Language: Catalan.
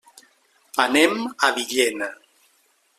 Anem a Villena.